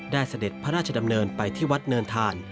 เสด็จพระราชดำเนินไปที่วัดเนินทาน